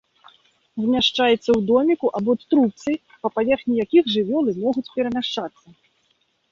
Змяшчаецца ў доміку або трубцы, па паверхні якіх жывёлы могуць перамяшчацца.